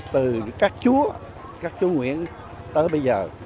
từ các chúa các chúa nguyễn tới bây giờ